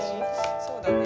そうだね。